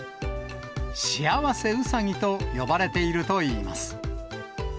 しあわせうさぎと呼ばれているといいます。